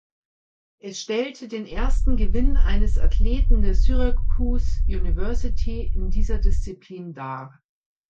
Es stellte den ersten Gewinn eines Athleten der Syracuse University in dieser Disziplin dar.